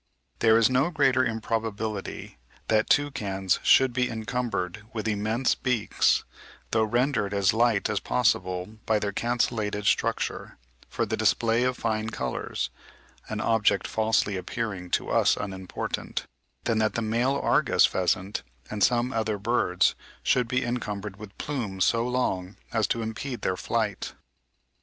There is no greater improbability that toucans should be encumbered with immense beaks, though rendered as light as possible by their cancellated structure, for the display of fine colours (an object falsely appearing to us unimportant), than that the male Argus pheasant and some other birds should be encumbered with plumes so long as to impede their flight.